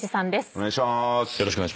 お願いしまーす。